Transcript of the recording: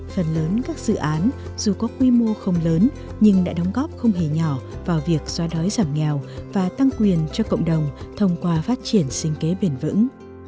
phần lớn các dự án dù có quy mô không lớn nhưng đã đóng góp không hề nhỏ vào việc xóa đói giảm nghèo và tăng quyền cho cộng đồng thông qua phát triển sinh kế bền vững